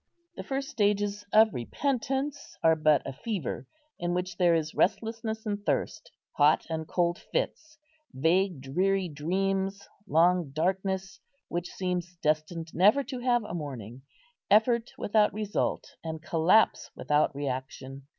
The first stages of repentance are but a fever, in which there is restlessness and thirst, hot and cold fits, vague, dreary dreams, long darkness which seems destined never to have a morning, effort without result, and collapse without reaction.